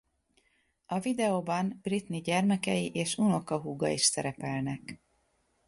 A videóban Britney gyermekei és unokahúga is szerepelnek.